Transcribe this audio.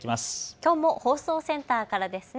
きょうも放送センターからですね。